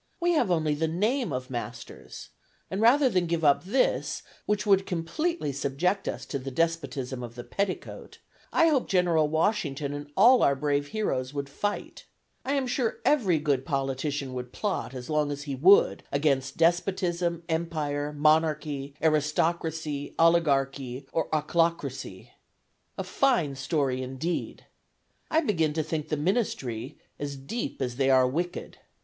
We have only the name of masters, and rather than give up this, which would completely subject us to the despotism of the petticoat, I hope General Washington and all our brave heroes would fight; I am sure every good politician would plot, as long as he would against despotism, empire, monarchy, aristocracy, oligarchy, or ochlocracy. A fine story, indeed! I begin to think the ministry as deep as they are wicked.